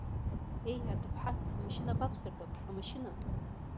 Еи, аҭыԥҳа, амашьына бақәсыртәап, амашьына.